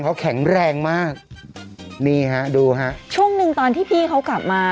เขาแข็งแรงมากนี่ฮะดูฮะช่วงหนึ่งตอนที่พี่เขากลับมา